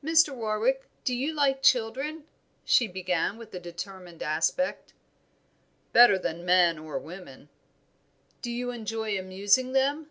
"Mr. Warwick, do you like children?" she began, with a determined aspect. "Better than men or women." "Do you enjoy amusing them?"